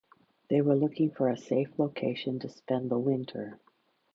They were looking for a safe location to spend the winter.